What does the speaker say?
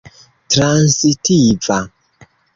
transitiva